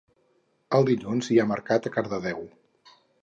El dilluns hi ha mercat a Cardedeu